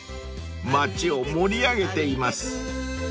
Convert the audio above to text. ［町を盛り上げています］